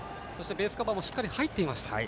ベースカバーもしっかり入っていました。